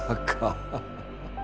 ハハハ。